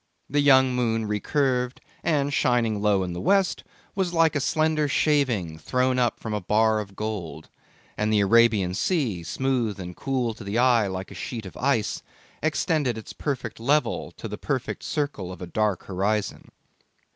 The young moon recurved, and shining low in the west, was like a slender shaving thrown up from a bar of gold, and the Arabian Sea, smooth and cool to the eye like a sheet of ice, extended its perfect level to the perfect circle of a dark horizon.